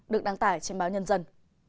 được đăng tải trên báo nhân dân